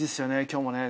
今日もね」